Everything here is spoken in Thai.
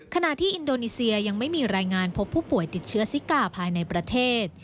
ขณะที่อินโดนีเซียยังไม่มีรายงานพบผู้ป่วยติดเชื้อซิกาภายในประเทศ